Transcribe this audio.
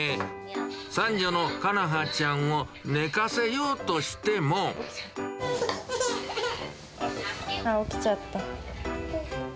三女のかなはちゃんを寝かせようとしても。起きちゃった。